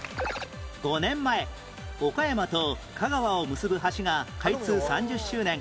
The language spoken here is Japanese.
５年前岡山と香川を結ぶ橋が開通３０周年